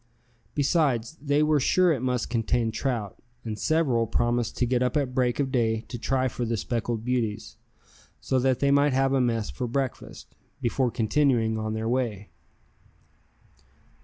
Besides, they were sure it must contain trout, and several promised to get up at break of day to try for the speckled beauties, so that they might have a mess for breakfast, before continuing on their way.